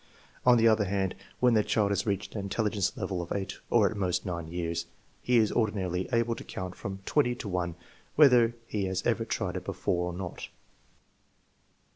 On the other hand, when the child has reached an intelligence level of 8 or at most 9 years, he is ordinarily able to count from 20 to 1 whether he has ever tried it before or not.